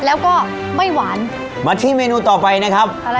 แล้วก็ไม่หวานมาที่เมนูต่อไปนะครับ